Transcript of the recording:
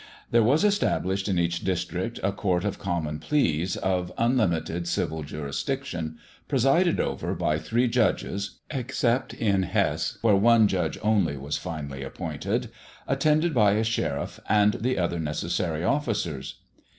There was established in each district a Court of Common Pleas of unlimited civil jurisdiction, presided over by three judges (except in Hesse, where one judge only was finally appointed), attended by a sheriff and the other necessary officers.